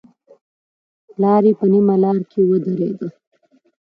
پلار يې په نيمه لاره کې ودرېد.